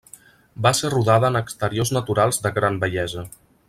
Va ser rodada en exteriors naturals de gran bellesa.